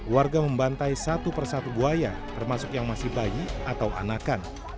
warga membantai satu persatu buaya termasuk yang masih bayi atau anakan